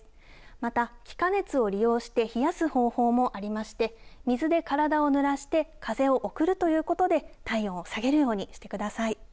また気化熱を利用して冷やす方法もありまして、水で体をぬらして風を送るということで、体温を下げるようにしてください。